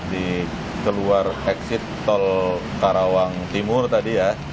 di keluar exit tol karawang timur tadi ya